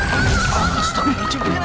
apaan tuh depan